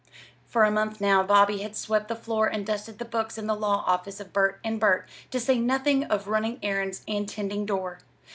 For a month now Bobby had swept the floor and dusted the books in the law office of Burt & Burt, to say nothing of running errands and tending door.